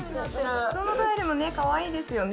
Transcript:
そのタイルもかわいいですよね。